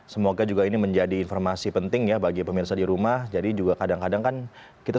semoga juga ini menjadi informasi penting ya bagi pemirsa di rumah jadi juga kadang kadang kan kita